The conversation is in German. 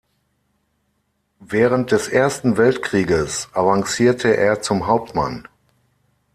Während des Ersten Weltkrieges avancierte er zum Hauptmann.